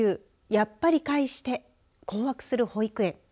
やっぱり返して困惑する保育園